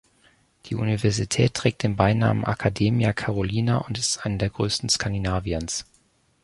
Die Universität trägt den Beinamen "Academia Carolina" und ist eine der größten Skandinaviens.